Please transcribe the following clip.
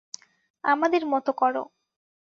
আমাদের মত কর।